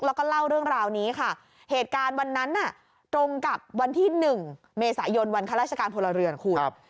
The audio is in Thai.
แล้วก็เล่าเรื่องราวนี้ค่ะเหตุการณ์วันนั้นน่ะตรงกับวันที่๑เมษายนวันข้าราชการพลเรือนคุณ